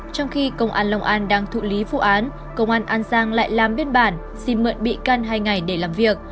trong khi công an long an đang thụ lý vụ án công an an giang lại làm biên bản xin mượn bị can hai ngày để làm việc